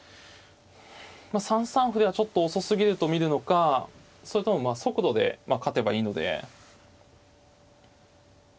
３三歩ではちょっと遅すぎると見るのかそれともまあ速度で勝てばいいので。